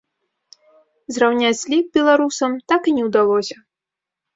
Зраўняць лік беларусам так і не ўдалося.